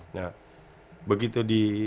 nah begitu di